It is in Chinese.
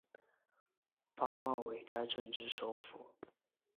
班茂为该镇之首府。